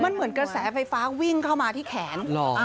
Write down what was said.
มันเหมือนกระแสไฟฟ้าวิ่งเข้ามาที่แขน